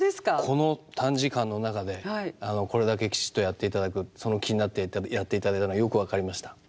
この短時間の中でこれだけきちっとやっていただくその気になってやっていただいたのがよく分かりました。